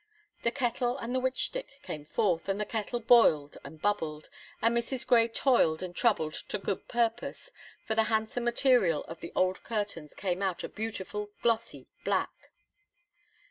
The kettle and the witch stick came forth, and the kettle boiled and bubbled, and Mrs. Grey toiled and troubled to good purpose, for the handsome material of the old curtains came out a beautiful glossy black.